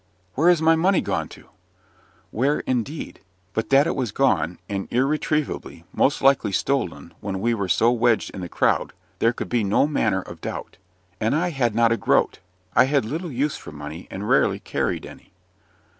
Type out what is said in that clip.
where is my money gone to?" Where, indeed! But that it was gone, and irretrievably most likely stolen when we were so wedged in the crowd there could be no manner of doubt. And I had not a groat. I had little use for money, and rarely carried any.